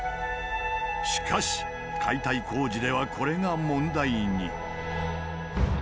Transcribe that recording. しかし解体工事ではこれが問題に。